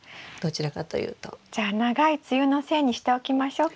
じゃあ長い梅雨のせいにしておきましょうか。